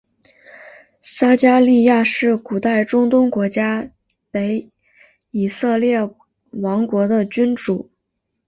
撒迦利雅是古代中东国家北以色列王国的君主。